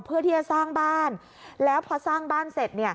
เพื่อที่จะสร้างบ้านแล้วพอสร้างบ้านเสร็จเนี่ย